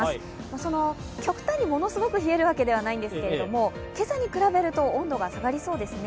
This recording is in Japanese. その極端にものすごく冷えるわけではないんですけれども今朝に比べると温度が下がりそうですね。